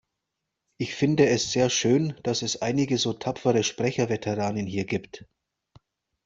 Ich finde es sehr schön, dass es einige so tapfere Sprecherveteranen hier gibt.